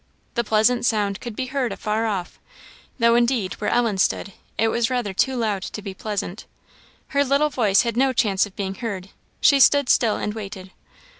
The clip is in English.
The pleasant sound could be heard afar off; though, indeed, where Ellen stood, it was rather too loud to be pleasant. Her little voice had no chance of being heard; she stood still and waited.